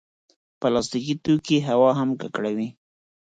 پلاستيکي توکي هوا هم ککړوي.